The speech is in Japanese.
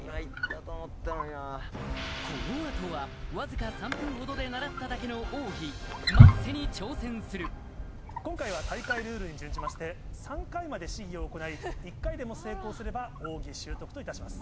この後はわずか３分ほどで習っただけの奥義マッセに挑戦する今回は大会ルールに準じまして３回まで試技を行い１回でも成功すれば奥義習得といたします。